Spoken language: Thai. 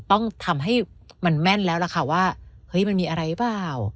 ต้องทำให้มันแม่นแล้วล่ะค่ะว่าเฮ้ยมันมีอะไรเปล่า